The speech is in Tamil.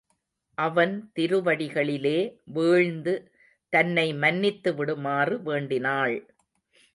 அவன் திருவடிகளிலே வீழ்ந்து தன்னை மன்னித்து விடுமாறு வேண்டினாள்.